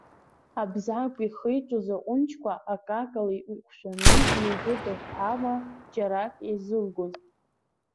Абзагә ихиҿоз аҟәынџьқәа акакала иҟәшәаны, илгәыдыҳәҳәала, џьарак еизылгон.